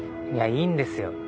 いやいいんですよ